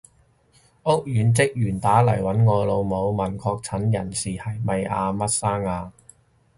屋苑職員打嚟搵我老母，問確診人士係咪阿乜生啊？